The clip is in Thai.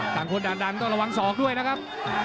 ต่างคนดันต้องระวังศอกด้วยนะครับ